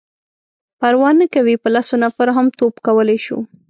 _پروا نه کوي،. په لسو نفرو هم توپ کولای شو.